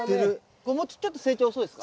これちょっと成長遅いですか？